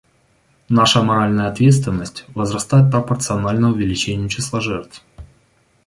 Наша моральная ответственность возрастает пропорционально увеличению числа жертв.